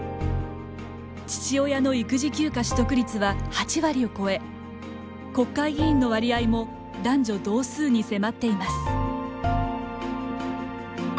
父親の育児休暇取得率は８割を超え国会議員の割合も男女同数に迫っています。